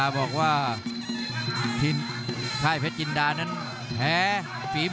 รับทราบบรรดาศักดิ์